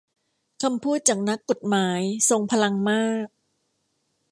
คำพูดจากนักกฎหมายทรงพลังมาก